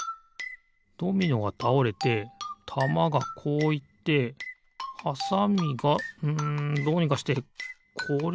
ドミノがたおれてたまがこういってはさみがうんどうにかしてこれをおすのかな？